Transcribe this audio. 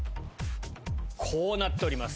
こうなっております。